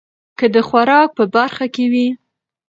که د خوراک په برخه کې وي